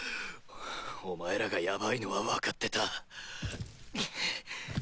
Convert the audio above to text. お前らがヤバいのは分かってた。